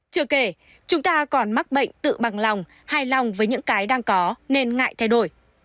chưa kể chúng ta còn mắc bệnh tự bằng lòng hài lòng với những cái đang có nên ngại thay đổi